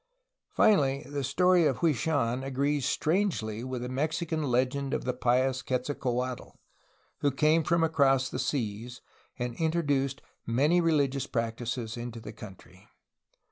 Finally, the story of Hwui Shan agrees strangely with the Mexican legend of the pious Quetzalcoatl, who came from across the seas and introduced many religious practices into the country.